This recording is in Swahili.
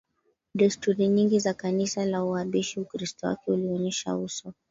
desturi nyingi za Kanisa la Uhabeshi Ukristo wake ulionyesha uso